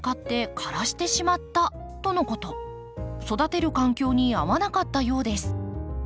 育てる環境に合わなかったようです。